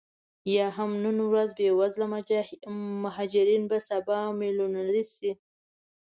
یا هم نن ورځ بې وزله مهاجرین به سبا میلیونرې شي